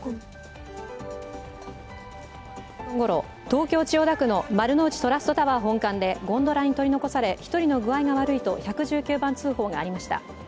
東京・千代田区の丸の内トラストタワー本館でゴンドラに取り残され、１人の具合が悪いと１１９番通報がありました。